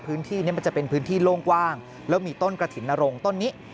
พื้นที่นี้มันจะเป็นพื้นที่โล่งกว้างแล้วมีต้นกระถิ่นนรงต้นนี้